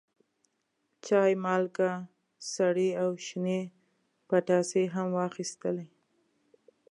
چای، مالګه، سرې او شنې پتاسې هم واخیستلې.